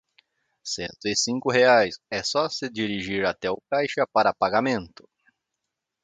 Cento e cinco reais, é só se dirigir até o caixa para pagamento.